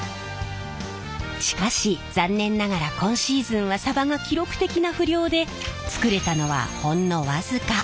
しかし残念ながら今シーズンはさばが記録的な不漁で作れたのはほんの僅か。